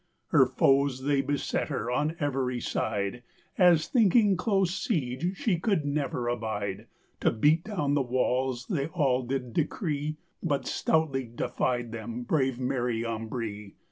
Her foes they besett her on everye side, As thinking close siege shee cold never abide; To beate down the walles they all did decree: But stoutlye deffyd them brave Mary Ambree.